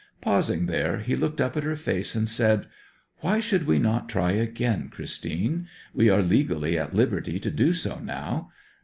Pausing there, he looked up at her face and said, 'Why should we not try again, Christine? We are legally at liberty to do so now.